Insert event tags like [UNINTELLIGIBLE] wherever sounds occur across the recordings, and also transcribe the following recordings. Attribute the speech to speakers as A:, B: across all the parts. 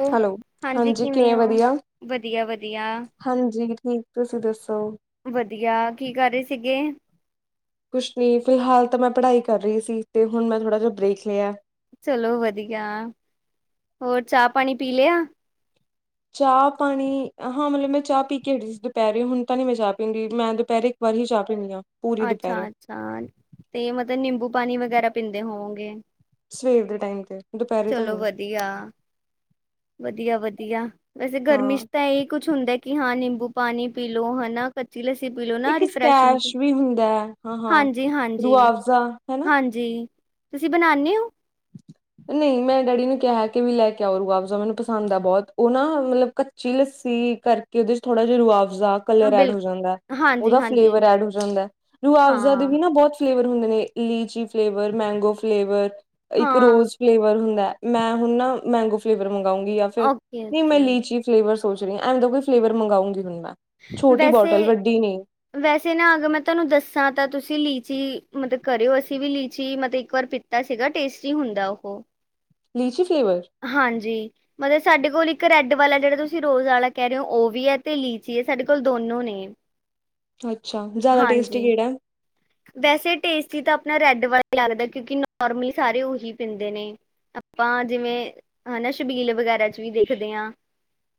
A: ਓ
B: hello, ਹਾਂਜੀ ਕਿਵੇਂ ਵਧੀਆ?
A: ਵਧੀਆ-ਵਧੀਆ
B: ਹਾਂਜੀ ਠੀਕ ਤੁਸੀਂ ਦੱਸੋ?
A: ਵਧੀਆ ਕੀ ਕਰ ਰਹੇ ਸੀਗੇ?
B: ਕੁਛ ਨਹੀਂ ਫਿਲਹਾਲ ਤਾਂ ਮੈਂ ਪੜ੍ਹਾਈ ਕਰ ਰਹੀ ਸੀ ਤੇ ਹੁਣ ਮੈਂ ਥੋੜ੍ਹਾ ਜਿਹਾ ਬ੍ਰੇਕ ਲੇਆ।
A: ਚਲੋ ਵਧੀਆਂ ਹੋਰ ਚਾਹ ਪਾਣੀ ਪੀ ਲਿਆ?
B: ਚਾਹ ਪਾਣੀ ਹਾਂ, ਮਤਲਬ ਮੈਂ ਚਾਹ ਪੀ ਕੇ ਹਟੀ ਸੀ ਦੁਪਹਿਰੇ ਹੁਣ ਤਾਂ ਨੀ ਮੈਂ ਚਾਹ ਪੀਦੀ ਮੈਂ ਦੁਪਹੀਰੇ ਵਰੀ ਚਾ ਪੈਣੀਆਂ
A: ਅੱਛਾ-ਅੱਛਾ ਤੇ ਮਤਲਬ ਨਿੰਬੂ ਪਾਣੀ ਵਗੈਰਾ ਪੀਂਦੇ ਹੋਵੋਂਗੇ।
B: ਸਵੇਰ ਦੇ ਟਾਈਮ ਤੇ ਦੁਪਹਿਰੇ ਤਾਣੀ
A: ਵਧੀਆ। ਵਧੀਆ-ਵਧੀਆ ਵੈਸੇ ਗਰਮੀ ਚ
B: ਹਾਂ
A: ਤਾਂ ਇਹੀ ਕੁਛ ਹੁੰਦਾ ਕਿ ਹਾਂ ਨਿੰਬੂ ਪਾਣੀ ਪੀ ਲਓ ਹਨਾ ਕਚੀ ਲੱਸੀ ਪੀਲੋ ਨਾ
B: ਇੱਕ
A: ਰਿਫਸ਼ਿੰਗ
B: ਸਕੈਸ਼ ਵੀ ਹੁੰਦਾ ਹੈ ਹਾਂ ਹਾਂ
A: ਹਾਂਜੀ-ਹਾਂਜੀ
B: ਰੁਆਵਜ਼ਾ ਹਨਾ
A: ਹਾਂਜੀ। ਜੀ ਤੁਸੀਂ ਬਣਾਉਦੇ ਓ?
B: [INAUDIBLE] ਨਹੀਂ ਮੈਂ ਡੈਡੀ ਨੂੰ ਕਿਹਾ ਕਿ ਵੀ ਲੈ ਕੇ ਆਓ ਰਆਫਜ਼ਾ ਮੈਨੂੰ ਪਸੰਦ ਆ ਬਹੁਤ ਓਹ ਨਾ ਮਤਲਬ ਕੱਚੀ ਲੱਸੀ ਕਰਕੇ ਕਿ ਇਹਦੇ ਚ ਥੋੜ੍ਹਾ ਜਹਾ ਰਆਵਜ਼ਾ
A: ਹਾਂ
B: ਕਲਰ ਐਡ
A: ਬਿਲ
B: ਹੋ ਜਾਂਦਾ ਐ ਉਹਦਾ
A: ਹਾਂਜੀ-ਹਾਂਜੀ,
B: ਫਲੇਵਰ ਐਡ ਹੋ ਜਾਂਦਾ ਐ ਰੂਆਵਜ਼ਾ ਦੇ
A: ਹਾਂ,
B: ਵੀ ਨਾ ਬਹੁਤ ਫਲੇਵਰ ਹੁੰਦੇ ਨੇ ਲੀਚੀ ਫਲੇਵਰ ਮੈਂਗੋ ਫਲੇਵਰ ਇੱਕ
A: ਹਾਂ।
B: ਰੋਜ਼ ਫਲੇਵਰ ਹੁੰਦਾ ਐ ਮੈਂ ਹੁਣ ਨਾ ਮੈਂਗੋ ਫਲੇਵਰ ਮੰਗਾਉਂਗੀ ਜਾਂ ਫਿਰ ਨਹੀਂ ਮੈਂ
A: ਓਕੇ-ਓਕੇ
B: ਲੀਚੀ ਫਲੇਰ ਸੋਚ ਰਹੀ ਹ ਐਵੇਂ ਦਈ ਫਲੇਵਰ ਮੰਗਊਂਗੀ ਹੁਣ ਮੈਂ ਛੋਟੀ
A: ਵੈਸੇ
B: ਬੋਟਲ ਵੱਡੀ ਨਹੀਂ
A: ਵੈਸੇ ਨਾ ਅਗਰ ਮੈਂ ਤੁਹਾਨੂੰ ਦੱਸਾਂ ਤਾਂ ਤੁਸੀਂ ਲੀਚੀ ਮਤਲਬ ਕਰਿਓ ਅਸੀਂ ਵੀ ਲੀਚੀ ਮਤਲਬ ਇੱਕ ਵਾਰ ਤਾਂ ਸੀਗਾ ਟੇਸਟੀ ਹੁੰਦਾ ਓਹ ਹੋ।
B: ਲੀਚੀ ਫਲੇਵਰ
A: ਹਾਂਜੀ, ਮਤਲਬ ਸਾਡੇ ਕੋਲ ਇੱਕ ਰੇਡ ਵਾਲਾ ਜਿਹੜਾ ਤੁਸੀਂ ਰੋਜ਼ ਵਾਲਾ ਕਹਿ ਰਹੇ ਹੋ ਓਹ ਵੀ ਹੈ ਤੇ ਲੀ ਜੀ ਸਾਡੇ ਕੋਲ ਦੋਨੋ ਨੇ।
B: ਅੱਛਾ, ਜਿਆਦਾ
A: ਹਾਂਜੀ
B: ਟੇਸਟੀ ਕਿਹੜਾ ਐ?
A: ਵੈਸੇ ਟੇਸਟੀ ਤਾਂ ਆਪਣਾ ਰੈਡ ਵਾਲਾ ਹੀ ਲੱਗਦਾ ਕਿਉਂਕਿ ਨੋਰਮਲੀ ਸਾਰੇ ਓਹ ਹੀ ਪੀਂਦੇ ਨੇ ਆਪਾਂ ਜਿਵੇਂ ਹਨਾ ਸ਼ਬੀਲ ਵਗੈਰਾ ਚ ਵੀ ਦੇਖਦੇ ਆਂ।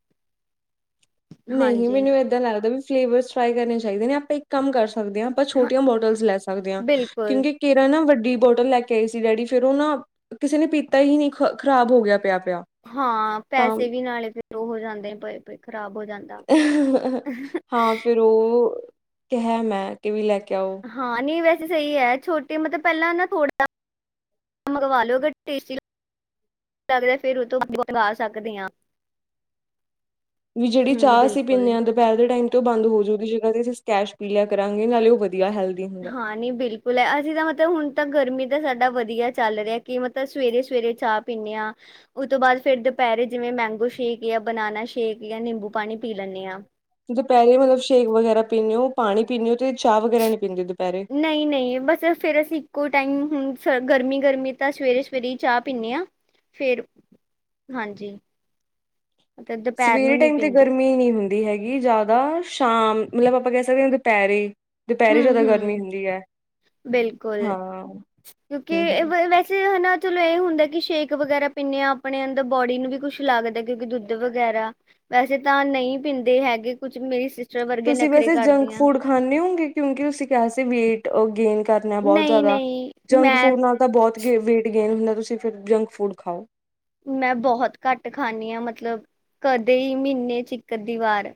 B: [INAUDIBLE] ਨਹੀਂ
A: ਹਾਂਜੀ
B: ਮੈਨੂੰ ਏਦਾਂ ਲੱਗਦਾ ਵੀ ਫਲੇਵਰ ਟਰਾਈ ਕਰਨੇ ਚਾਹੀਦੇ ਨੇ ਆਪਾਂ ਇੱਕ ਕੰਮ ਕਰ ਸਕਦੇ ਆ ਆਪਾਂ
A: ਹਾਂ
B: ਛੋਟੀਆਂ ਬੋਟਲ ਲੈ ਸਕਦੇ ਆਂ
A: ਬਿਲਕੁਲ
B: ਕਿਉਂਕਿ ਕੇਰਾ ਨਾ ਵੱਡੀ ਬੋਟਲ ਲੈ ਕੇ ਆਈ ਸੀ ਡੈਡੀ ਫੇਰ ਉਹ ਨਾ ਕਿਸੇ ਨੇ ਪੀਤਾ ਹੀ ਨਹੀਂ ਖ ਖ਼ਰਾਬ ਹੋ ਗਿਆ ਪਿਆ-ਪਿਆ।
A: ਹਾਂ ਪੈਸੇ ਵੀ ਨਾਲੇ ਫੇਰ ਉਹ ਹੋ ਜਾਂਦੇਏ ਖਰਾਬ ਹੋ ਜਾਂਦੇ।
B: ਹਾਂ ਫੇਰ ਓਹ ਕਿਹਾ ਮੈਂ ਕਿ ਵੀ ਲੈ ਕੇ ਆਓ।
A: ਹਾਂ ਨਹੀਂ ਵੈਸੇ ਸਹੀ ਹੈ ਛੋਟੇ ਮਤਲਬ ਪਹਿਲਾਂ ਨਾ ਥੋੜਾ ਮਗ ਵਾਹੋ ਅਗਰ ਟੇਸਟੀ ਲ ਲੱਗਦਾ ਫੇਰ ਉਹ ਤੋਂ ਬਾਦ ਲਗਾ ਸਕਦੇ ਆਂ।
B: ਵੀ ਜਿਹੜੀ
A: ਹੂੰ
B: ਚਾਹ ਅਸੀਂ
A: ਬਿਲਕੁਲ
B: ਪੀਂਣੇ ਆ ਪਹਿਲ ਦੇ ਟਾਈਮ ਬੰਦ ਹੋਜੂਗੀ ਜਗ੍ਹਾ ਤੇ ਅਸੀਂ ਸਕੈਸ਼ ਪੀ ਲਿਆ ਕਰਾਂਗੇ ਨਾਲੇ ਓਹ ਵਧੀਆ ਹੈਲਥ
A: ਹਾਂ ਨਹੀਂ ਬਿਲਕੁਲ। ਲ ਅਸੀਂ ਤਾਂ ਮਤਲਬ ਹੁਣ ਤਾਂ ਗਰਮੀ ਤਾਂ ਸਾਡਾ ਵਧੀਆ ਚੱਲ ਰਿਹਾ ਕਿ ਮਤਲਬ ਸਵੇਰੇ-ਸਵੇਰੇ ਚਾਹ ਪੀਂਨੇ ਆਂ। ਉਹ ਤੋਂ ਬਾਦ ਫੇਰ ਦੋਪੈਰੇ ਜਿਵੇਂ ਮੈਂਗੋ ਸ਼ੇਕ ਯਾਂ, ਬਨਾਨਾ ਸ਼ੇਕ, ਯਾਂ ਨਿੰਬੂ ਪਾਣੀ ਪੀ ਲੈਂਣੀ ਆ।
B: ਦੋਪੈਰੇ ਮਤਲਬ ਸ਼ੇਕ ਵਗੈਰਾ ਪੀਂਣੇ ਓ ਪਾਣੀ ਪੀਂਣੇ ਓ ਤੇ ਚਾਹ ਵਗੈਰਾ ਨੀ ਪੀਂਦੇ ਦੋਪੈਰੇ।
A: ਨਹੀਂ-ਨਹੀਂ ਬਸ ਫੇਰ ਅਸੀਂ ਇੱਕੋ ਟਾਈਮ ਹੁਣ ਗਰਮੀ-ਗਰਮੀ ਤਾਂ ਸਵੇਰੇ-ਸਵੇਰੇ ਹੀ ਚਾਹ ਪੀਂਣੇ ਆ। ਫੇਰ ਹਾਂਜੀ। ਮਤਲਬ ਦੁਪਹਿਰ ਨੂੰ
B: ਸਵੇਰੇ
A: ਨਹੀਂ
B: ਟਾਈਮ ਤੇ
A: ਪੀਂਦੇ
B: ਗਰਮੀ ਨੀ ਹੁੰਦੀ ਹੈਗੀ ਜਾਦਾ ਸ਼ਾਮ ਮਤਲਬ ਆਪਾਂ ਕਹਿ ਸਕਦੇ ਹਾਂ ਦਪੈਰੇ ਦਪੈਰੇ
A: ਹੂੰ
B: ਜਾਦਾ ਗਰਮੀ
A: ਹੂੰ
B: ਹੁੰਦੀ ਐ।
A: ਬਿਲਕੁਲ
B: ਹਮ
A: ਕਿਉਂਕਿ
B: ਹਮ
A: ਵੈਸੇ ਹੈਨਾ ਚਲੋ ਇਹ ਹੁੰਦਾ ਕਿ ਸ਼ੇਕ ਵਗੈਰਾ ਪੀਣੇ ਹਾਂ ਆਪਣੇ ਅੰਦਰ ਬੋਡੀ ਨੂੰ ਵੀ ਕੁੱਛ ਲੱਗਦਾ ਕਿਉਂਕਿ ਦੁੱਧ ਵਗੈਰਾ ਵੈਸੇ ਤਾਂ ਨਹੀਂ ਪੀਂਦੇ ਹੈਗੇ ਕੁਛ ਮੇਰੀ ਸਿਸਟਰ ਵਰਗੇ ਨਖਰੇ ਕਾਰਦੀਆਂ।
B: ਖਾਂਣੇ ਹੋਂਗੇ ਕਿਉਂਕਿ ਤੁਸੀਂ ਕਿਆ ਸੀ ਵੇਟ ਗੇਨ ਕਰਨਾ ਬੋਤ
A: ਨਹੀਂ
B: ਜਾਦਾ
A: ਨਹੀਂ
B: ਜੰਕ
A: ਮੈਂ
B: ਫੂਡ ਨਾਲ ਤਾਂ ਬੋਤ ਗੇ ਵੇਟ ਗੇਨ ਹੁੰਦਾ ਤੁਸੀਂ ਫਿਰ ਜੰਕ ਫੂਡ ਖਾਓ।
A: ਮੈਂ ਬੋਹਤ ਕੱਟ ਖਾਂਣੀ ਹਾਂ ਮਤਲਬ ਕਦੇ ਈ ਮੀਨੇ ਚ ਇੱਕ- ਅਧੀ ਵਾਰ।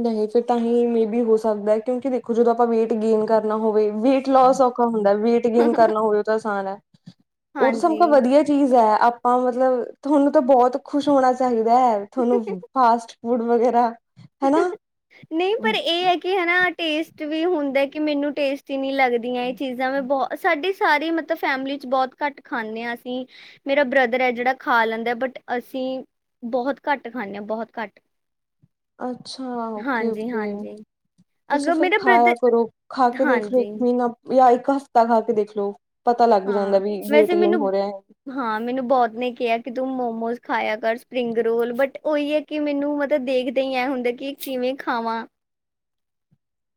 B: ਨਹੀਂ ਫਿਰ ਤਾਂ ਹੀ ਮੇਬੀ ਹੋ ਸਕਦਾ ਕਿਉਂਕਿ ਦੇਖੋ ਜਦੋਂ ਆਪਾਂ ਵੇਟ ਗੇਨ ਕਰਨਾ ਹੋਵੇ ਵੇਟ ਲੋਸ ਹੁੰਦਾ ਵੇਟ ਗੇਨ ਕਰਨਾ ਹੋਵੇ ਤਾਂ ਆਸਾਨ ਐ ਓ ਤਾਂ ਸਭ ਤੋ
A: ਹਾਂਜੀ
B: ਵਧੀਆ ਚੀਜ਼ ਹੈ ਆਪਾਂ ਮਤਲਬ ਤੁਹਾਨੂੰ ਤਾਂ ਬੋਹਤ ਖੁਸ਼ ਹੋਣਾ ਚਾਹੀਦਾ ਤੁਹਾਨੂੰ ਫਾਸਟ ਫੂਡ ਵਗੈਰਾ ਹੈਨਾ।
A: ਨਹ ਪਰ ਏ ਐ ਕਿ ਹਨਾ ਟੇਸਟ ਵੀ ਹੁੰਦਾ ਕਿ ਮੇਨੂੰ ਟੇਸਟ ਨੀ ਲੱਗਦੀਆਂ ਏ ਚੀਜ਼ਾਂ ਮੈਂ ਬੋ ਸਾਡੀ ਸਾਰੀ ਮਤਲਬ ਫੈਮਿਲੀ ਚ ਬੋਹਤ ਘੱਟ ਖਾਂਣੇ ਹਾਂ ਅਸੀਂ ਮੇਰਾ ਬ੍ਰਦਰ ਹੈ ਜੇੜਾ ਖਾ ਲੈਂਦਾ ਬਟ ਅਸੀਂ ਬੋਹਤ ਕੱਟ ਖਾਂਣੇ ਹਾਂ ਬੋਹਤ ਕੱਟ।
B: ਅੱਛਾ ਓਕੇ-ਓਕੇ।
A: ਹਾਂਜੀ
B: ਤੁਸੀਂ
A: ਅਗਰ
B: ਫਿਰ
A: ਮੇਰਾ
B: ਖਾਇਆ
A: ਬ੍ਰਦਰ
B: ਕਰੋ ਖਾ ਕੇ ਦੇਖ ਲੋ ਇੱਕ
A: ਹਾਂਜੀ
B: ਮੀਨਾ ਯਾਂ ਇੱਕ ਹਫ਼ਤਾ ਖਾ ਕੇ ਦੇਖ ਲੋੋ ਪਤਾ ਲੱਗ ਜਾਂਦਾ
A: ਹਾਂ
B: ਵੀ ਵੇਟ
A: ਵੈਸੇ
B: ਗੇਨ
A: ਮੈਨੂੰ
B: ਹੋ ਰੇਹਾ।
A: ਹਾਂ ਮੈਨੂੰ ਬੋਤ ਨੇ ਕੇਹਾ ਕਿ ਤੂੰ ਮੋਮੋਸ ਖਾਇਆ ਕਰ ਸਪਰਿੰਗ ਰੋਲ ਬਟ ਉਈ ਏ ਕਿ ਮੈਨੂੰ ਮਤਲਬ ਦੇਖਦੇ ਹੀ ਐ ਹੁੰਦਾ ਕਿ ਇੱਕ ਕਿਵੇਂ ਖਾਵਾਂ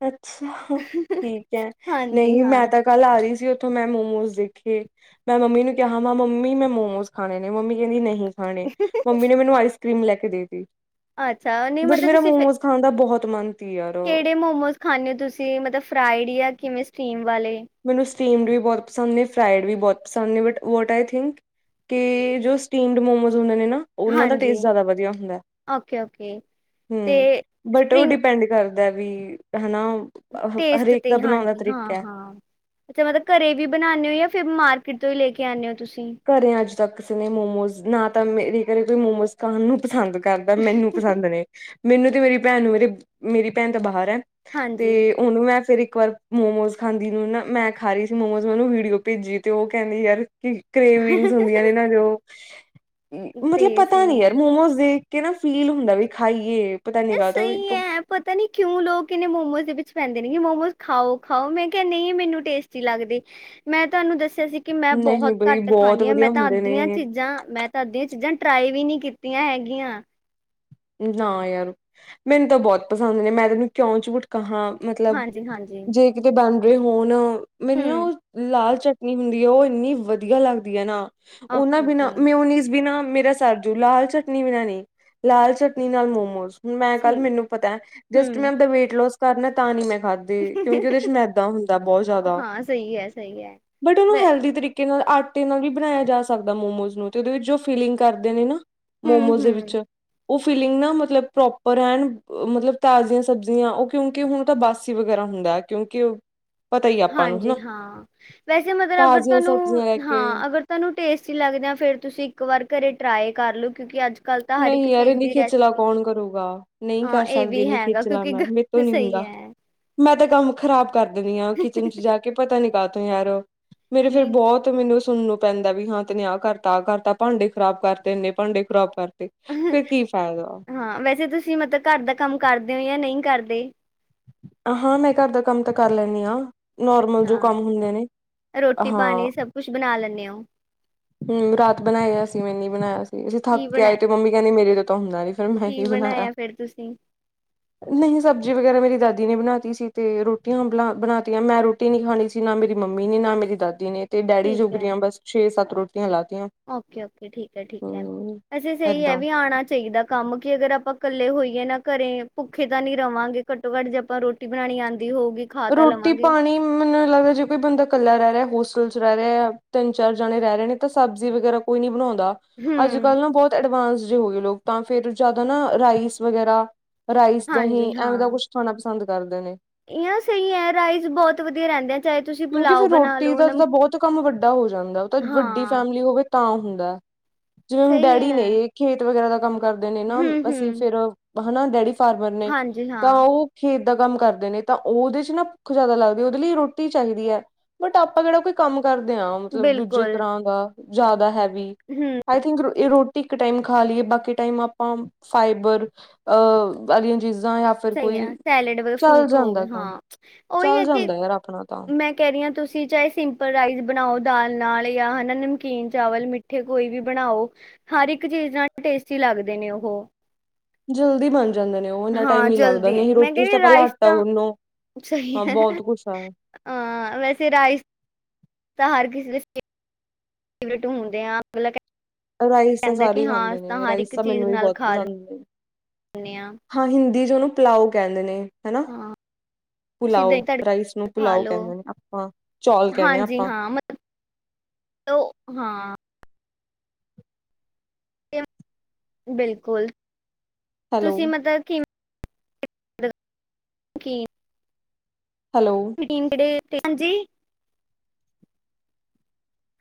B: ਅੱਛਾ ਠੀਕ ਐ
A: ਹਾਂਜੀ
B: ਨਈ ਮੈਂ
A: ਹਾਂ
B: ਤਾਂ ਕੱਲ ਆ ਰੀ ਸੀ ਉੱਥੋਂ ਮੈਂ ਮੋਮੋਸ ਦੇਖੇ- ਮੈਂ ਮੰਮੀ ਨੂੰ ਕਿਹਾ ਮਾ ਮੰਮੀ ਮੈਂ ਮੋਮੋਸ ਖਾਣੇ ਨੇ ਮੰਮੀ ਕੈੰਦੀ ਨਹੀਂ ਹਾਣੇ ਮੰਮੀ ਨੇ ਮੈਨੂੰ ਆਈਸ ਕਰ੍ਰੀਮ ਲੈ ਕੇ ਦੇ ਤੀ।
A: ਅੱਛਾ ਨਹੀਂ
B: ਬਟ
A: ਮਤਲਬ
B: ਮੇਰਾ
A: ਤੁਸੀਂ
B: ਮੋਮੋਸ ਖਾਣ ਦਾ ਬੋਹਤ ਮਨ ਸੀ ਯਾਰ।
A: ਖਾਂਣੇ ਔ ਤੁਸੀਂ ਮਤਲਬ ਫਰਾਈਡ ਯਾਂ ਕਿਵੇਂ ਸਟੀਮ ਵਾਲੇ
B: ਮੈਨੂੰ ਸਟੀਮਡ ਵੀ ਬੋਹਤ ਪਸੰਦ ਨੇ ਫਰਾਈਡ ਵੀ ਬੋਹਤ ਪਸੰਦ ਨੇ ਬਟ ਓਵਰ ਆਈ ਥਿੰਕ ਕੇ ਜੋ ਸਟੀਮਡ ਮੋਮੋਜ਼ ਹੁੰਦੇ ਨੇ ਨਾ ਉਨਾਂ ਦਾ
A: ਹਾਂਜੀ
B: ਟੇਸਟ ਜ਼ਿਆਦਾ ਵਧੀਆ ਹੁੰਦਾ
A: ਓਕੇ ਓਕੇ ਤੇ
B: ਹੂੰ ਬਟ ਓ
A: ਸਪਰਿੰਗ
B: ਡਿਪੈਂਡ ਕਰ ਦਾ ਵੀ ਹੈਨਾ
A: ਟੇਸਟ
B: ਹਰੇਕ
A: ਤੇ
B: ਦਾ ਬਣੋਣ ਦਾ
A: ਹਾਂਜੀ ਹਾਂ
B: ਤਰੀਕਾ
A: ਹਾਂ ਅੱਛਾ ਮਤਲਬ ਘਰੇ ਵੀ ਬਣਾਓਣੇ ਓ ਯਾੱ ਫਿਰ ਮਾਰਕੀਟ ਤੋਂ ਈ ਲੈ ਕੇ ਆਣੇ ਓ ਤੁਸੀਂ।
B: ਕਰੇ ਅੱਜ ਤੱਕ ਕਿਸੇ ਨੇ ਮੋਮੋਜ਼ ਨਾ ਤਾਂ ਮੇਰੇ ਕਰੇ ਕੋਈ ਮੋਮੋਜ਼ ਖਾਣ ਨੂੰ ਪਸੰਦ ਕਰਦਾ ਮੈਨੂੰ ਪਸੰਦ ਨੇ ਮੈਨੂੰ ਤੇ ਮੇਰੀ ਪੈਣ ਨੂੰ ਮੇਰੇ ਮੇਰੀ ਪੈਣ ਤੇ ਬਾਹਰ ਐ ਤੇ
A: ਹਾਂਜੀ
B: ਓਨੂੰ ਮੈਂ ਫੇਰ ਇੱਕ ਵਾਰ ਮੋਮੋਜ਼ ਖਾਂਦੀ ਨੂੰ ਨਾ, ਮੈਂ ਖਾ ਰੀ ਸੀ ਮੋਮੋਜ਼ ੳਨੂੰ ਵੀਡੀਓ ਪੇਜੀ। ਤੇ ਓ ਕੈੰਦੀ ਯਾਰ ਕਿ ਕੇ੍ਵਿੰਗਸ ਹੁੰਦੀਆਂ ਨੇ ਨਾਂ ਜੋ
A: ਤੇ
B: ਮਤਲਬ ਪਤਾ ਨੀ
A: ਸਹੀ
B: ਯਾਰ
A: ਹੈ
B: ਮੋਮੋਸ ਦੇਖ ਕੇ ਨਾ ਫੀਲ ਹੁੰਦਾ ਵੀ ਖਾਈਏ ਪਤਾ ਨੀ
A: ਇਹ
B: ਕਾਤੋ
A: ਸਹੀ ਹੈ ਪਤਾ ਨੀ ਕਿਉਂ ਲੋਕ ਇਹਨੇ ਮੋਮੋਜ਼ ਦੇ ਵਿੱਚ ਪੈਂਦੇ ਨੇ ਕਿ ਮੋਮੋਸ ਖਾਓ-ਖਾਓ, ਮੈਂ ਕੇਹਾ ਨਈ ਮੈਨੂੰ ਟੇਸਟੀ ਲਾਗਦੇ। ਮੈਂ ਤੁਹਾਨੂੰ ਦੱਸਿਆ ਸੀ ਕਿ ਮੈਂ ਬੋਹਤ
B: ਨਹੀਂ ਬਈ
A: ਕਟ
B: ਬਹੁਤ
A: ਖਾਂਣੀ ਆ।
B: ਵਧੀਆ
A: ਮੈਂ ਤਾਂ
B: ਹੁੰਦੇ
A: ਅੱਧੀਆਂ
B: ਨੇ
A: ਚੀਜ਼ਾਂ ਮੈਂ ਅਦੀਆਂ ਚੀਜ਼ਾਂ ਟਰਾਈ ਵੀ ਨਹੀ ਕੀਤੀਆਂ ਹੈਗੀਆਂ।
B: ਨਾ ਯਾਰ ਮੈਨੂੰ ਤਾਂ ਬੋਤ ਪਸੰਦ ਨੇ, ਮੈਂ ਤੈਨੂੰ ਕਿਉਂ ਝੂਠ ਕਹਾਂ ਮਤਲਬ
A: ਹਾਂਜੀ ਹਾਂਜੀ
B: ਜੇ ਕਿਤੇ ਬਨ ਰਹੇ ਹੋਣ ਮੈਨੂੰ ਨਾ ਉਹ ਲਾਲ ਚਟਨੀ ਹੁੰਦੀ ਉਹ ਏਨੀ ਵਧੀਆ ਲੱਗਦੀ ਹੈ ਨਾ ਉਹਨਾਂ ਬਿਨਾਂ ਮਯੋਨਿਸ ਬਿਨਾਂ ਮੇਰਾ ਸਰਜੂ ਲਾਲ ਚਟਨੀ ਬਿਨਾਂ ਨਈ, ਲਾਲ ਚਟਨੀ ਨਾਲ ਮੋਮੋਸ ਮੈਂ ਕਲ ਮੈਨੂੰ ਪਤਾ ਜਸਟ ਮੈਂ ਅਪਨਾ ਵੇਟ ਲੋਸ ਕਰਨਾ ਤਾਂ ਨੀ ਮੈਂ ਖਾਧ ਦੇ ਕਿਉਂਕਿ ਉਹਦੇ ਚ ਮੈਦਾ ਹੁੰਦਾ ਬਹੁਤ ਜਿਆਦਾ, ਬਟ ਉਹਨੂੰ ਹੈਲਦੀ ਤਰੀਕੇ ਨਾਲ ਆਟੇ ਨਾਲ ਵੀ ਬਣਾਇਆ ਜਾ ਸਕਦਾ ਮੋਮੋਜ਼ ਨੂੰ ਤੇ ਉਹ ਉਹਦੇ ਵਿੱਚ ਜੋ ਫੀਲਿੰਗ ਕਰਦੇ ਨੇ ਨਾ ਮੋਮੋਸ ਦੇ ਵਿੱਚ ਉਹ ਫੀਲਿੰਗ ਨਾ ਮਤਲਬ ਪ੍ਰੋਪਰ ਐਨ ਮਤਲਬ ਤਾਜ਼ੀਆਂ ਸਬਜ਼ੀਆਂ ਉਹ ਕਿਉਂਕਿ ਹੁਣ ਤਾਂ ਬਾਸੀ ਵਗੈਰਾ ਹੁੰਦਾ ਏ। ਕਿਉਂਕਿ ੳ
A: ਹਾਂਜੀ ਹਾਂ ਵੈਸੇ ਮਤਲਬ ਅਗਰ
B: ਤਾਜ਼ੀਆਂ
A: ਤੁਹਾਨੂੰ
B: ਸਬਜ਼ੀਆਂ ਲੈ ਕੇ
A: ਹਾਂ ਅਗਰ ਤੁਹਾਨੂੰ ਟੇਸਟੀ ਲੱਗਦੇ ਆ ਫੇਰ ਤੁਸੀਂ ਇੱਕ ਵਾਰ ਘਰੇ ਟਰਾਏ ਕਰ ਲਓ ਕਿਉਂਕਿ ਅੱਜ ਕਲ ਤਾਂ ਹਰ ਇੱਕ
B: ਨਹੀਂ ਯਾਰ
A: ਚੀਜ਼
B: ਇੰਨੀ
A: ਦੀ
B: ਖੇਚਲਾ
A: ਰੈਸਪੀ,
B: ਕੌਣ ਕਰੂਗਾ ਨਹੀਂ
A: ਹਾਂ
B: ਕਰ
A: ਇਹ
B: ਸਕਦੀ
A: ਵੀ
B: ਇੰਨੀ
A: ਹੈਗਾ
B: ਖੇਚਲਾ
A: ਕਿਉਂਕਿ
B: ਮੈਂ ਮੇਰੇ
A: ਤੇ
B: ਤੋਂ ਨੀ ਹੁੰਦਾ
A: ਸਹੀ ਹੈ
B: ਮੈਂ ਤਾਂ ਕੰਮ ਖ਼ਰਾਬ ਕਰ ਦਿੰਦੀ ਹਾਂ ਕਿਚਨ ਚ ਜਾ ਕੇ ਪਤਾ ਨੀ ਕਾਤੋਂ ਯਾਰ, ਮੇਰੇ ਫੇਰ
A: ਨੀ
B: ਬਹੁਤ ਤੇ ਮੈਨੂੰ ਸੁਣਨ ਨੂੰ ਪੈਂਦਾ ਵੀ ਹਾਂ ਤਨੇ ਆਹ ਕਰਤਾ, ਆਹ ਕਰਤਾ, ਭਾਂਡੇ ਖਰਾਬ ਕਰਤੇ, ਇੰਨੇ ਭਾਂਡੇ ਖ਼ਰਾਬ ਕਰਤੇ ਫਿਰ ਕੀ ਫਾਇਦਾ
A: ਹਾਂ ਵੈਸੇ ਤੁਸੀਂ ਮਤਲਬ ਘਰ ਦਾ ਕੰਮ ਕਰਦੇ ਹੋ ਜਾਂ ਨਹੀਂ ਕਰਦੇ।
B: ਹਾਂ ਮੈਂ ਘਰ ਦਾ ਕੰਮ ਤਾਂ ਕਰ ਲੈਂਣੀ ਹਾਂ। ਨੋਰਮਲ
A: ਅੱਛਾ,
B: ਜੋ ਕੰਮ ਹੁੰਦੇ ਨੇ, ਹਾਂ।
A: ਰੋਟੀ-ਪਾਣੀ ਸਭ ਕੁਛ ਬਣਾ ਲੈਂਨੇ ੳ।
B: ਹੂੰ ਰਾਤ ਬਣਾਇਆ ਸੀ ਮੈ ਨੀ ਬਣਾਇਆ ਸੀ ਅਸੀ ਥੱਕ
A: ਕੀ
B: ਕੇ ਆਏ
A: ਬਣਾ
B: ਤੇ ਮੰਮੀ ਕਹਿੰਦੀ ਮੇਰੇ ਤੇ ਤੋਂ ਹੁੰਦਾ ਨਹੀ। ਫੇਰ ਮੈਂ ਹੀ
A: ਕੀ
B: ਬਣਾਇਆ।
A: ਫਿਰ ਤੁਸੀਂ?
B: ਨਹੀਂ ਸਬਜ਼ੀ ਵਗੈਰਾ ਮੇਰੀ ਦਾਦੀ ਨੇ ਬਣਾਤੀ ਸੀ ਤੇ ਰੋਟੀਆਂ ਬਣਾ ਬਣਾਤੀਆਂ ਮੈਂ ਰੋਟੀ ਨਹੀ ਖਾਣੀ ਸੀ। ਨਾ ਮੇਰੀ ਮੰਮੀ ਨੇ, ਨਾ ਮੇਰੀ ਦਾਦੀ ਨੇ ਤੇ ਡੈਡੀ
A: ਠੀਕ
B: ਜੋਗੀਆਂ ਬਸ ਛੇ, ਸੱਤ ਰੋਟੀਆਂ ਲਾਤੀਆਂ।
A: ਔਕੇ ਔਕੇ, ਠੀਕ ਹੈ ਠੀਕ ਹੈ।
B: ਹਮ
A: ਵੈਸੇ ਸਹੀ ਹੈ, ਇਹ
B: ਏਦਾਂ
A: ਵੀ ਆਉਣਾ ਚਾਹੀਦਾ। ਕੰਮ ਕੀ ਅਗਰ ਆਪਾਂ ਇਕੱਲੇ ਹੋਈਏ ਨਾ ਘਰੇ ਭੁੱਖੇ ਤਾਂ ਨਹੀਂ ਰਵਾਂਗੇ। ਘੱਟੋ ਘੱਟ ਜੇ ਆਪਾਂ ਰੋਟੀ ਬਣਾਉਣੀ ਆਉਂਦੀ ਹੋਊਗੀ ਖਾ ਤਾਂ
B: ਰੋਟੀ
A: ਲਵਾਂਗੇ।
B: ਪਾਣੀ ਮੈਨੂੰ ਜੇ ਕੋਈ ਬੰਦਾ ਇਕੱਲਾ ਰਹਿ ਰਿਹਾ ਹੋਸਟਲ ਚ ਰਹਿ ਰਿਹਾ ਜਾਂ ਤਿੰਨ, ਚਾਰ ਜਣੇ ਰਹਿ ਰਹੇ ਨੇ ਤਾਂ ਸਬਜ਼ੀ ਵਗੈਰਾ ਕੋਈ ਨਹੀਂ ਬਣਾਉਂਦਾ। ਅੱਜ
A: ਹੂੰ,
B: ਕਲ ਨਾ ਬਹੁਤ ਅਡਵਾਂਸ ਜੇ ਹੋ ਗਏ ਲੋਕ ਤਾਂ ਫਿਰ ਜਿਆਦਾ ਨਾ ਰਾਈਸ ਵਗੈਰਾ ਰਾਈਸ ਦਹੀ
A: ਹਾਂਜੀ
B: ਐਵੇਂ ਦਾ ਕੁਛ ਖਾਣਾ ਪਸੰਦ ਕਰਦੇ ਨੇ।
A: ਇਹਾਂ ਸਹੀ ਹੈ, ਰਾਈਸ ਬਹੁਤ ਵਧੀਆ ਰਹਿੰਦੇ ਆ ਚਾਹੇ ਤੁਸੀਂ
B: ਕਿਉਂਕਿ
A: ਪੁਲਾਓ
B: ਫੇਰ
A: ਬਣਾ
B: ਰੋਟੀ
A: ਲਓ
B: ਦਾ
A: ਨਮ
B: ਤਾਂ ਬਹੁਤ ਕੰਮ ਵੱਡਾ ਹੋ ਜਾਂਦਾ ਏ। ਉਹ ਤਾਂ ਵੱਡੀ
A: ਹਾਂ,
B: ਫੈਮਿਲੀ ਹੋਵੇ ਤਾਂ ਹੁੰਦਾ ਜਿਵੇਂ ਹੁਣ
A: ਸਹੀ
B: ਡੈਡੀ ਨੇ
A: ਹੈ।
B: ਖੇਤ ਵਗੈਰਾ ਦਾ ਕੰਮ ਕਰਦੇ ਨੇ ਨਾ, ਅਸੀ
A: ਹੂੰ-ਹੂੰ,
B: ਫੇਰ ਹੈਨਾ, ਡੈਡੀ ਫਾਰਮਰ ਨੇ
A: ਹਾਂਜੀ
B: ਤਾਂ
A: ਹਾਂ,
B: ਉਹ ਖੇਤ ਦਾ ਕੰਮ ਕਰਦੇ ਨੇ ਤਾਂ ਉਹਦੇ ਚ ਨਾ ਭੁੱਖ ਜ਼ਿਆਦਾ ਲੱਗਦੀ ਉਹਦੇ ਲਈ ਰੋਟੀ ਚਾਹੀਦੀ ਹੈ ਬਟ ਆਪਾਂ ਕਿਹੜਾ ਕੋਈ ਕੰਮ ਕਰਦੇ ਹਾਂ ਮਤਲਬ ਦੂਜੀ
A: ਬਿਲਕੁਲ
B: ਤਰ੍ਹਾਂ ਦਾ, ਜ਼ਿਆਦਾ ਹੈਵੀ
A: ਹੂੰ।
B: ਆਈ ਥਿੰਕ ਰੋਟੀ ਇੱਕ ਟਾਈਮ ਖਾ ਲਈਏ ਬਾਕੀ ਟਾਇਮ ਆਪਾਂ ਫਾਈਬਰ ਅਹ ਵਾਲੀਆਂ ਚੀਜ਼ਾਂ ਜਾਂ ਫਿਰ।
A: ਸਹੀ
B: ਕੋਈ
A: ਹੈ, ਸੈਲਡ ਵਾਲ਼ਾ
B: ਚੱਲ
A: ਫਰੂਟ
B: ਜਾਂਦਾ
A: ਹੋਵੇ, ਹਾਂ
B: ਕੰਮ
A: ਉਹੀ
B: ਚੱਲ
A: ਹੈ ਕਿ
B: ਜਾਂਦਾ ਯਾਰ ਆਪਣਾ ਤਾਂ
A: ਮੈਂ ਕਹਿ ਰਹੀ ਹਾਂ ਤੁਸੀਂ ਚਾਹੇ ਸਿੰਪਲ ਰਾਈਸ ਬਣਾਓ ਦਾਲ ਨਾਲ ਜਾਂ ਹੈਨਾ ਨਮਕੀਨ ਚਾਵਲ ਮਿੱਠ ਮਿੱਠੇ ਕੋਈ ਵੀ ਬਣਾਓ ਹਰ ਇੱਕ ਚੀਜ਼ ਨਾਲ ਟੇਸਟੀ ਲੱਗਦੇ ਨੇ ਉਹ।
B: ਜਲਦੀ ਬਣ ਜਾਂਦੇ ਨੇ ਉਹ ਇੰਨਾ ਟਾਈਮ
A: ਹਾਂ
B: ਨਹੀ ਲੱਗਦਾ।
A: ਜਲਦੀ
B: ਨਾਲੇ
A: ਮੈਂ
B: ਰੋਟੀ ਚ
A: ਕਹਿੰਦੀ
B: ਤਾਂ ਪਹਿਲਾਂ
A: ਰਾਈਸ
B: ਆਟਾ
A: ਤਾਂ
B: ਗੁਨੋ, ਹਾਂ ਬਹੁਤ ਕੁਛ ਆ।
A: ਅਹ ਵੈਸੇ ਰਾਈਸ ਤਾਂ ਹਰ ਕਿਸੇ ਦੇ ਫੇਵਰੇਟ ਹੁੰਦੇ ਆ ਮਤਲਬ ਕਿ
B: ਰਾਈਸ ਤਾਂ
A: ਕਹਿੰਦਾ
B: ਸਾਰੇ
A: ਕਿ
B: ਹੀ
A: ਹਾਂ
B: ਖਾਂਦੇ
A: ਅਸੀਂ ਤਾਂ
B: ਨੇ
A: ਹਰ
B: ਰਾਈਸ
A: ਇੱਕ
B: ਮੈਨੂੰ
A: ਚੀਜ਼
B: ਵੀ
A: ਨਾਲ
B: ਬਹੁਤ
A: ਖਾ ਲ
B: ਪਸੰਦ ਨੇ।
A: [UNINTELLIGIBLE]
B: ਹਾਂ ਹਿੰਦੀ ਚ ਉਹਨੂੰ ਪਲਾਓ ਕਹਿੰਦੇ ਨੇ। ਹਨਾ
A: ਹਾਂ ਤੁਸੀਂ
B: ਪੁਲਾਓ
A: ਦਹੀਂ
B: ਰਾਈਸ ਨੂੰ
A: ਤੜਕਾ ਖਾ
B: ਪੁਲਾਓ
A: ਲਓ
B: ਕਹਿੰਦੇ ਨੇ, ਆਪਾਂ ਚੌਲ ਕਹਿੰਣੇ ਹ ਆਪਾਂ।
A: ਉਹ ਹਾਂ ਬਿਲਕੁਲ
B: ਹੈਲੋ
A: ਤੁਸੀਂ ਮਤਲਬ ਕਿ ਕੀ
B: ਹੈਲੋ
A: [UNINTELLIGIBLE] ਹਾਂਜੀ।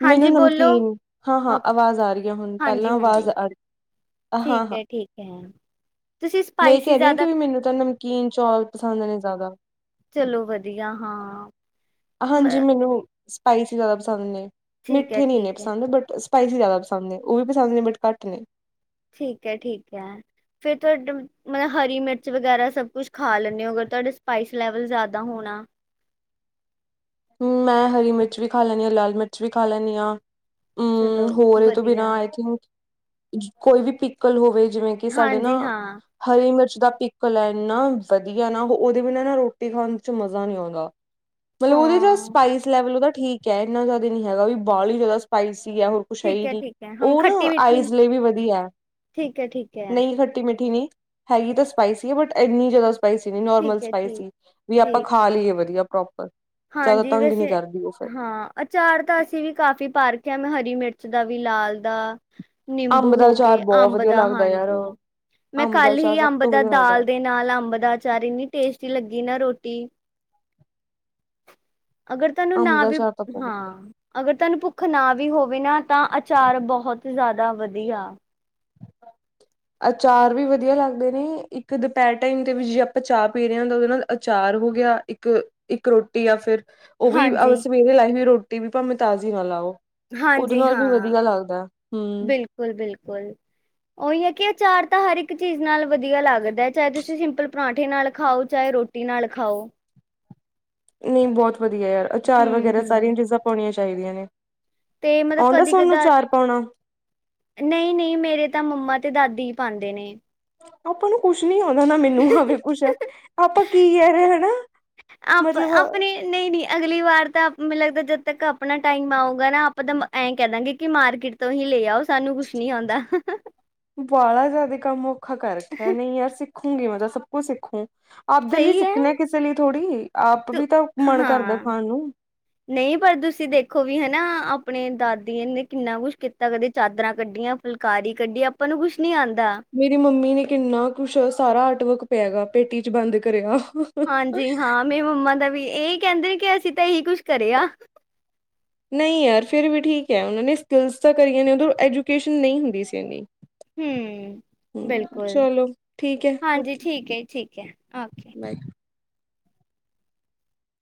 B: ਮੈਨੂੰ
A: ਹਾਂਜੀ ਬੋਲੋ
B: ਨਮਕੀਨ ਹਾਂ, ਹਾਂ ਆਵਾਜ਼ ਆ ਰਹੀ ਹੈ ਹੁਣ ਪਹਿਲਾਂ
A: ਹਾਂਜੀ ਹਾਂਜੀ
B: ਆਵਾਜ਼ ਆ
A: ਠੀਕ
B: ਹਾਂ ਹਾਂ
A: ਹੈ-ਠੀਕ ਹੈ। ਤੁਸੀਂ
B: ਮੈਂ ਇਹ
A: ਸਪਾਈਸੀ
B: ਕਹਿ ਰਹੀ ਹਾਂ ਕਿ
A: ਜ਼ਿਆਦਾ
B: ਵੀ ਮੈਨੂੰ ਤਾਂ ਨਮਕੀਨ ਚੌਲ ਪਸੰਦ ਨੇ ਜਾਦਾ।
A: ਚਲੋ ਵਧੀਆ ਹਾਂ। ਮ
B: ਹਾਂਜੀ ਮੈਨੂੰ ਸਪਾਈਸੀ ਜਾਦਾ ਪਸੰਦ ਨੇ
A: ਠੀਕ ਹੈ
B: ਮਿੱਠੇ ਨੀ
A: ਠੀਕ
B: ਇੰਨੇ
A: ਹੈ
B: ਪਸੰਦ ਬਟ ਸਪਾਈਸੀ ਜਾਦਾ ਪਸੰਦ ਨੇ ਉਹ ਵੀ ਪਸੰਦ ਨੇ ਬਟ ਘੱਟ ਨੇ।
A: ਠੀਕ ਹੈ-ਠੀਕ ਹੈ ਫੇਰ ਤੁਹਾਡਾ ਮਤਲਬ ਹਰੀ ਮਿਰਚ ਵਗੈਰਾ ਸਭ ਕੁੱਛ ਖਾ ਲੈਂਦੇ ਹੋ ਅਗਰ ਤੁਹਾਡੇ ਸਪਾਈਸ ਲੈਵਲ ਜਾਦਾ ਹੋਣਾ
B: ਹਮ ਮੈਂ ਹਰੀ ਮਿਰਚ ਵੀ ਖਾ ਲੈਨੀ ਹਾਂ, ਲਾਲ ਮਿਰਚ ਵੀ ਖਾ ਲੈਨੀ ਹਾਂ।
A: ਚਲੋ
B: ਹਮ ਹੋਰ ਇਹ ਤੋਂ ਬਿਨਾਂ
A: ਵਧੀਆ
B: ਆਈ ਥਿੰਕ ਕੋਈ ਵੀ ਪੀਕਲ ਹੋਵੇ ਜਿਵੇਂ ਕਿ ਸਾਡੇ ਨਾ
A: ਹਾਂਜੀ ਹਾਂ
B: ਹਰੀ ਮਿਰਚ ਦਾ ਪੀਕਲ ਹੈ ਇੰਨਾ ਵਧੀਆ ਨਾ ਉਹਦੇ ਬਿਨਾਂ ਨਾ ਰੋਟੀ ਖਾਣ ਚ ਮਜ਼ਾ ਨੀ ਆਉਂਦਾ। ਮਤਲਬ ਉਹਦੇ
A: ਹਾਂ
B: ਸਪਾਈਸ ਲੈਵਲ ਉਹਦਾ ਠੀਕ ਹੈ ਇਨਾ ਜਿਆਦਾ ਨੀ ਹੈਗਾ ਵੀ ਬਾਲੀ ਜਾਦਾ ਸਪਾਈਸੀ ਆ ਹੋਰ ਕੁਛ ਹੈ
A: ਠੀਕ
B: ਹੀ ਨਹੀਂ
A: ਠੀਕ ਹੈ ਹਮ
B: ਉਹ
A: ਖੱਟੀ
B: ਨਾ
A: ਮਿੱਠੀ
B: ਆਈਜ਼ ਲਈ ਵੀ ਵਧੀਆ।
A: ਠੀਕ ਹੈ ਠੀਕ ਹੈ
B: ਨਹੀਂ ਖੱਟੀ ਮਿੱਠੀ ਨੀ ਹੈਗੀ ਤਾਂ ਸਪਾਈਸੀ ਹੈ ਬਟ ਇੰਨੀ ਜਾਦਾ ਸਪਾਈਸੀ ਨੀ ਨੋਰਮਲ
A: ਠੀਕ ਹੈ ਠੀਕ
B: ਸਪਾਈਸੀ ਵੀ ਆਪਾਂ
A: ਠੀਕ
B: ਖਾ
A: ਹੈ
B: ਲਈਏ ਵਧੀਆ ਪ੍ਰੋਪਰ। ਜ਼ਿਆਦਾ
A: ਹਾਂਜੀ
B: ਤੰਗ ਨਹੀਂ
A: ਵੈਸੇ
B: ਕਰਦੀ ਉਹ ਫਿਰ
A: ਹਾਂ। ਅਚਾਰ ਤਾਂ ਅਸੀਂ ਵੀ ਕਾਫ਼ੀ ਪਾ ਰੱਖਿਆ ਮੈਂ ਹਰੀ ਮਿਰਚ ਦਾ ਵੀ, ਲਾਲ ਦਾ ਨਿੰਬੂ
B: ਅੰਬ ਦਾ
A: ਹੋ
B: ਅਚਾਰ
A: ਗਏ,
B: ਬਹੁਤ
A: ਅੰਬ
B: ਵਧੀਆ
A: ਦਾ
B: ਲੱਗਦਾ ਯਾਰ
A: ਹਾਂਜੀ। ਮੈਂ
B: ਅੰਬ ਦਾ
A: ਕੱਲ
B: ਅਚਾਰ
A: ਹੀ
B: ਸਭ
A: ਅੰਬ
B: ਤੋਂ
A: ਦਾ
B: ਵਧੀਆ
A: ਦਾਲ
B: ਲੱਗਦਾ
A: ਦੇ ਨਾਲ ਅੰਬ ਦਾ ਚਾਰ ਇੰਨੀ ਟੇਸਟੀ ਲੱਗੀ ਨਾ ਰੋਟੀ ਅਗਰ ਤੁਹਾਨੂੰ
B: ਅੰਬ
A: ਨਾ
B: ਦਾ
A: ਵੀ
B: ਅਚਾਰ ਤਾਂ ਬਹੁਤ
A: ਹਾਂ ਅਗਰ ਤੁਹਾਨੂੰ ਭੁੱਖ ਨਾ ਵੀ ਹੋਵੇ ਨਾ ਤਾਂ ਅਚਾਰ ਬੋਹਤ ਹੀ ਜਾਦਾ ਵਧੀਆ।
B: ਅਚਾਰ ਵੀ ਵਧੀਆ ਲੱਗਦੇ ਨੇ ਇੱਕ ਦੁਪਹਿਰ ਟਾਈਮ ਦੇ ਵਿੱਚ ਜੇ ਆਪਾਂ ਚਾਹ ਪੀ ਰਹੇ ਹੁੰਦਾ ਉਹਦੇ ਨਾਲ ਅਚਾਰ ਹੋ ਗਿਆ ਇੱਕ ਇੱਕ ਰੋਟੀ ਜਾਂ ਫਿਰ ਉਹ ਵੀ ਆ
A: ਹਾਂਜੀ
B: ਸਵੇਰੇ ਲਾਈ ਵੀ ਰੋਟੀ ਵੀ ਭਾਵੇਂ ਤਾਜ਼ੀ ਨਾ ਲਾਓ। ਉਹਦੇ
A: ਹਾਂਜੀ
B: ਨਾਲ ਵੀ ਵਧੀਆ ਲੱਗਦਾ ਹੂੰ।
A: ਬਿਲ ਬਿਲਕੁਲ। ਉਹੀ ਹੈ ਕਿ ਅਚਾਰ ਤਾਂ ਹਰ ਇੱਕ ਚੀਜ਼ ਨਾਲ ਵਧੀਆ ਲੱਗਦਾ ਚਾਹੇ ਤੁਸੀਂ ਸਿੰਪਲ ਪਰਾਂਠੇ ਨਾਲ ਖਾਓ, ਚਾਹੇ ਰੋ ਟੀ ਨਾਲ ਖਾਓ।
B: ਨਈ ਬਹੁਤ ਵਧੀਆ ਯਾਰ ਅਚਾਰ
A: ਹਮ
B: ਵਗੈਰਾ ਸਾਰੀਆਂ
A: ਹਮ
B: ਚੀਜ਼ਾਂ ਪਾਉਣੀਆਂ ਚਾਹੀਦੀਆਂ ਨੇ।
A: ਤੇ ਮਤਲਬ
B: ਆਉਂਦਾ ਸੋਨੂੰ ਚਾਰ ਪਾਉਣਾ?
A: ਨਈਂ-ਨਈਂ ਮੇਰੇ ਤਾਂ ਮੰਮਾ ਤੇ ਦਾਦੀ ਹੀ ਪਾਉਂਦੇ ਨੇ।
B: ਆਪਾਂ ਨੂੰ ਕੁਛ ਨੀ ਆਉਂਦਾ ਨਾ ਮੈਨੂੰ ਆਵੇ ਕੁਛ ਆਪਾਂ ਕੀ ਕਹਿ ਰਹੇ ਹਨਾ।
A: ਆਪ
B: ਮਤਲਬ
A: ਆਪਣੀ ਨਈਂ-ਨਈਂ ਅਗਲੀ ਵਾਰ ਤਾ ਮੈਨੂੰ ਲੱਗਦਾ ਜਦ ਤੱਕ ਆਪਣਾ ਟਾਈਮ ਆਊਗਾ ਨਾ ਆਪਾ ਤਾ ਐ ਕਹਿ ਦਾਂਗੇ ਕਿ ਮਾਰਕੀਟ ਤੁਸੀ ਲੈ ਆਓ ਸਾਨੂੰ ਕੁਛ ਨੀ ਆਉਂਦਾ।
B: ਵਾਲਾ ਜਾ ਵੀ ਕੰਮ ਔਖਾ ਕਰ ਰੱਖਿਆ ਨਹੀਂ ਇਹ ਸਿੱਖੂਗੀ ਮਤਲਬ ਸਭ ਕੁਛ ਸਿੱਖੂ। ਆਪਦੇ ਲਈ
A: ਸਹੀ ਹੈ
B: ਸਿੱਖਣਾ ਕਿਸੇ ਲਈ ਥੋੜ੍ਹੀ ਆਪ
A: ਤ
B: ਵੀ ਤਾਂ ਮਨ ਕਰਦਾ
A: ਹਾਂ।
B: ਖਾਣ ਨੂੰ।
A: ਨਹੀਂ ਪਰ ਤੁਸੀਂ ਦੇਖੋ ਵੀ ਹਨਾ ਆਪਣੇ ਦਾਦੀ ਨੇ ਕਿੰਨਾ ਕੁਛ ਕੀਤਾ। ਤਾਂ ਕਦੇ ਚਾਦਰਾਂ ਕੱਢੀਆਂ ਫੁਲਕਾਰੀ ਕੱਢੀ ਆਪਾਂ ਨੂੰ ਕੁਛ ਨੀ ਆਂਦਾ।
B: ਮੇਰੀ ਮੰਮੀ ਨੇ ਕਿੰਨਾ ਕੁਛ ਸਾਰਾ ਆਰਟ ਵਰਕ ਪਿਆ ਗਾ ਪੇਟੀ ਚ ਬੰਦ ਕਰਿਆ।
A: ਹਾਂਜੀ ਹਾਂ ਮੇਰੀ ਮੰਮਾ ਦਾ ਵੀ ਇਹੀ ਕਹਿੰਦੇ ਕਿ ਅਸੀਂ ਤਾਂ ਇਹੀ ਕੁਛ ਕਰੇ ਆ।
B: ਨਹੀਂ ਯਾਰ ਫਿਰ ਵੀ ਠੀਕ ਐ ਉਹਨਾਂ ਨੇ ਸਕਿੱਲਸ ਤਾਂ ਕਰੀਆਂ ਨੇ ਉਦੋਂ ਐਜੂਕੇਸ਼ਨ ਨਹੀਂ ਹੁੰਦੀ ਸੀ ਇੰਨੀ
A: ਹੂੰ।
B: ਹਮ
A: ਬਿਲਕੁਲ
B: ਚਲੋ ਠੀਕ ਹੈ
A: ਹਾਂਜੀ
B: ਓਕੇ
A: ਠੀਕ ਆ ਜੀ ਠੀਕ ਆ ਓਕੇ।
B: ਬਾਏ